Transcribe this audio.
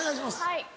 はい。